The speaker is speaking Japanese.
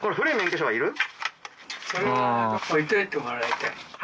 それは置いといてもらいたい。